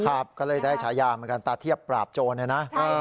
ใช่ก็เลยได้ฉายามอีกบางไหร่ตาเทียบปราบโจรเนี่ยนะ